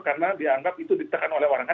karena dianggap itu ditekan oleh orang